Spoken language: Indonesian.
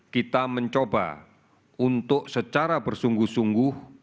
kita mencoba untuk secara bersungguh sungguh